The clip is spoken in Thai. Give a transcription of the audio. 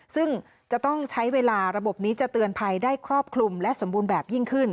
ซึ่งจะต้องใช้เวลาระบบนี้จะเตือนภัยได้ครอบคลุมและสมบูรณ์แบบยิ่งขึ้น